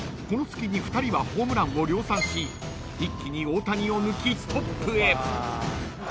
［この隙に２人はホームランを量産し一気に大谷を抜きトップへ］